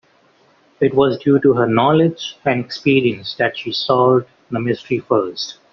It was due to her knowledge and experience that she solved the mystery first.